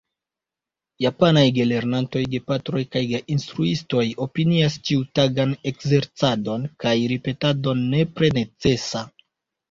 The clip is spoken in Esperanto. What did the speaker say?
Japanaj gelernantoj, gepatroj kaj geinstruistoj opinias ĉiutagan ekzercadon kaj ripetadon nepre necesa.